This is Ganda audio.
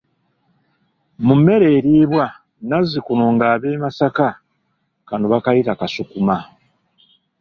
Mu mmere eriibwa nazzikuno nga ab'e Masaka kano bakayita kasukuma.